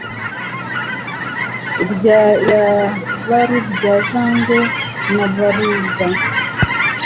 irya iya Baruryajangwe na Barubwa